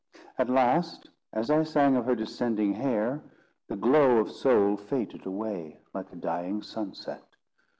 At last, as I sang of her descending hair, the glow of soul faded away, like a dying sunset.